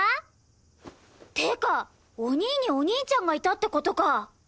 ってかお兄にお兄ちゃんがいたって事か！